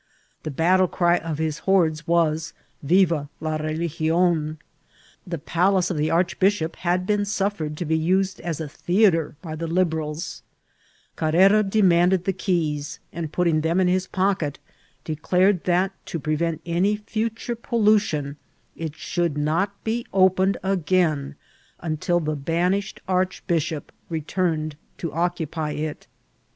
The battle cry of his hordes was ^' Viva la religion !" The palace of the archbishop had been suffered to be used as a theatre by the Liberals ; Carrera demanded the keys, and, putting them in his pocket, declared that, to prevent any ftiture pollution, it diould not be (qpened again until the banished archbishop returned to ooe»* pyit.